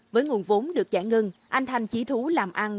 với nguồn vốn được giả ngưng anh thanh chí thú làm ăn